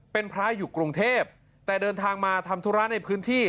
เป็นพระอยู่กรุงเทพแต่เดินทางมาทำธุระในพื้นที่